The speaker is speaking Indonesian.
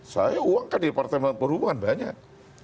saya uang kan di partai perhubungan banyak